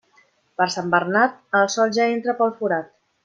Per Sant Bernat, el sol ja entra pel forat.